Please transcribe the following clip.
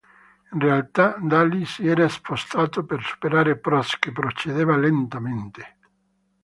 In realtà Daly si era spostato per superare Prost, che procedeva lentamente.